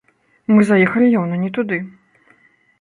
Мы заехалі яўна не туды.